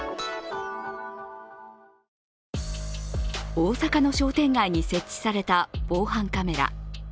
大阪の商店街に設置された防犯カメラ。